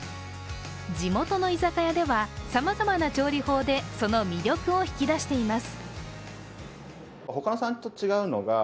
地元の居酒屋ではさまざまな調理法でその魅力を引き出しています。